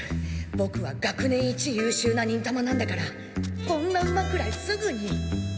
ボクは学年一優秀な忍たまなんだからこんな馬くらいすぐに。